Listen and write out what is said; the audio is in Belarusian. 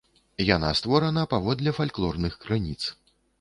Яна створана паводле фальклорных крыніц.